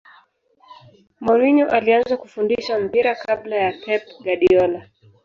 mourinho alianza kufundisha mpira kabla ya pep guardiola